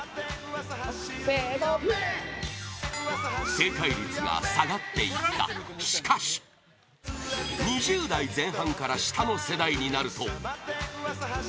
正解率が下がっていったしかし２０代前半から下の世代になると